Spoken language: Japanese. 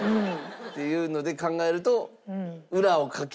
っていうので考えると「裏をかけ」。